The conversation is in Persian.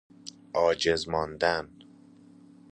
عاجز ماندن